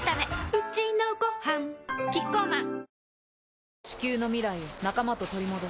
うちのごはんキッコーマン